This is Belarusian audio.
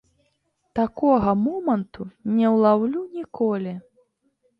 Такога моманту не ўлаўлю ніколі!